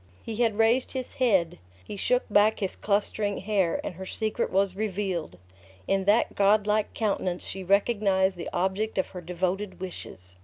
He had raised his head; he shook back his clustering hair, and her secret was revealed. In that god like countenance she recognized the object of her devoted wishes!